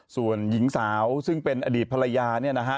ส่วนหญิงสาวซึ่งเป็นอดีตภรรยาเนี่ยนะฮะ